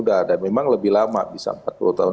udah dan memang lebih lama bisa empat puluh tahun